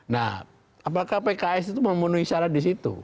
nah apakah pks itu memenuhi syarat di situ